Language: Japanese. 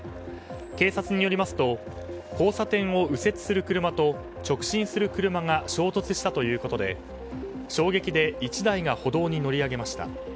警察によりますと交差点を右折する車と直進する車が衝突したということで衝撃で１台が歩道に乗り上げました。